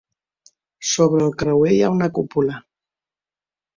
Sobre el creuer hi ha una cúpula.